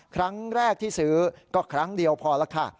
ครั้งแรกที่ซื้อก็ครั้งเดียวพอแล้วค่ะ